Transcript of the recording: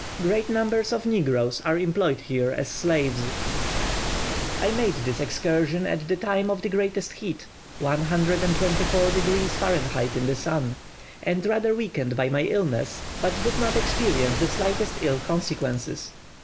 Great numbers of negroes are employed here as slaves. I made this excursion at the time of the greatest heat (124 degrees Fah. in the sun), and rather weakened by my illness, but did not experience the slightest ill consequences.